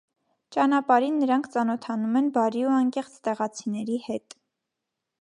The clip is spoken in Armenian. Ճանապարհին նրանք ծանոթանում են բարի ու անկեղծ տեղացիների հետ։